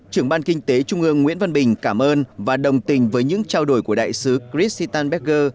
trưởng ban kinh tế trung ương nguyễn văn bình cảm ơn và đồng tình với những trao đổi của đại sứ christittan becker